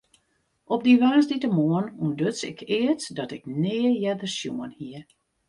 Op dy woansdeitemoarn ûntduts ik eat dat ik nea earder sjoen hie.